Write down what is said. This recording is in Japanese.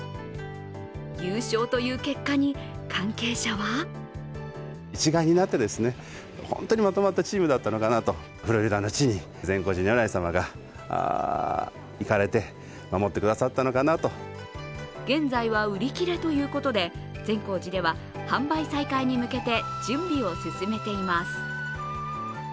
優勝という結果に関係者は現在は売り切れということで、善光寺では、販売再開に向けて準備を進めています。